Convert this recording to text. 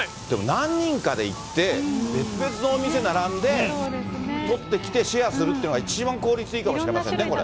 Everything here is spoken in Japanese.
何人かで行って、別々のお店並んで、取ってきて、シェアするっていうのが一番効率いいかもしれませんね、これ。